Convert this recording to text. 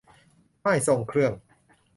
ม่ายทรงเครื่อง